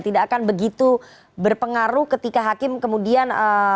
tidak akan begitu berpengaruh ketika hakim kemudian